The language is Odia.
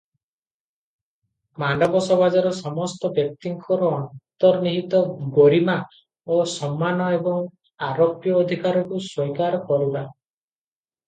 ମାନବ ସମାଜର ସମସ୍ତ ବ୍ୟକ୍ତିଙ୍କର ଅନ୍ତର୍ନିହିତ ଗରିମା ଓ ସମ୍ମାନ ଏବଂ ଅରୋପ୍ୟ ଅଧିକାରକୁ ସ୍ୱୀକାର କରିବା ।